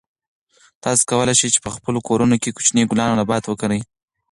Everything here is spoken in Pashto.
تاسو کولای شئ چې په خپلو کورونو کې کوچني ګلان او نباتات وکرئ.